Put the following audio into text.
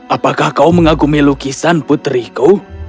apakah kau mengagumi lukisan putriku